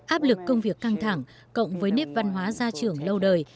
áp lực công việc căng thẳng cộng với nét văn hóa gia trưởng lâu đời